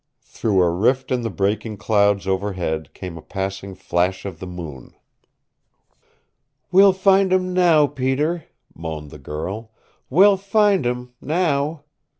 Through a rift in the breaking clouds overhead came a passing flash of the moon. "We'll find him now, Peter," moaned the girl. "We'll find him now.